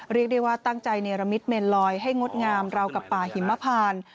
เรียกได้ว่าตั้งใจเนรมิตเมนลอยให้งดงามราวกับป่าหิมพาน